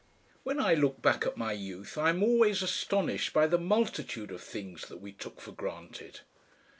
When I look back at my youth I am always astonished by the multitude of things that we took for granted.